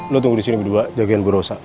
lo tunggu disini berdua jaga yang berosa